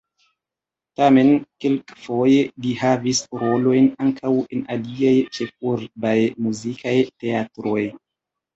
Tamen kelkfoje li havis rolojn ankaŭ en aliaj ĉefurbaj muzikaj teatroj.